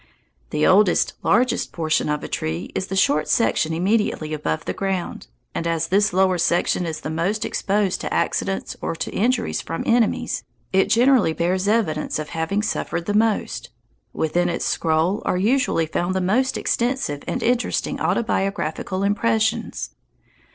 The oldest, largest portion of a tree is the short section immediately above the ground, and, as this lower section is the most exposed to accidents or to injuries from enemies, it generally bears evidence of having suffered the most. Within its scroll are usually found the most extensive and interesting autobiographical impressions.